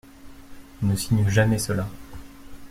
Ne signe jamais cela.